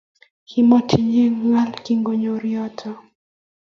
Kimatinye ngaal kingonyor yoto